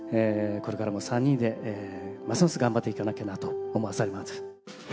これからも３人で、ますます頑張っていかなきゃなと思わされます。